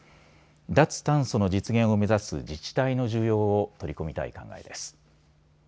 脱炭素の実現を目指す自治体の需要を取り込みたい考えです。